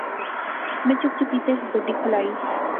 میں چپ چپیتے گڈی کھلائی